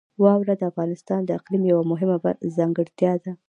واوره د افغانستان د اقلیم یوه مهمه ځانګړتیا ده.